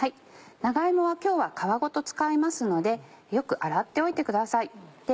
長芋は今日は皮ごと使いますのでよく洗っておいてください。